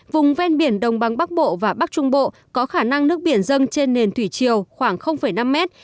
vùng ven biển đồng bằng bắc bộ và bắc trung bộ có khả năng nước biển dâng trên nền thủy chiều khoảng năm mét